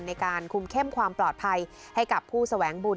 ในการคุมเข้มความปลอดภัยให้กับผู้แสวงบุญ